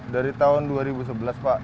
dari tahun dua ribu sebelas pak